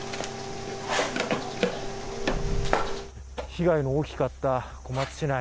被害が大きかった小松市内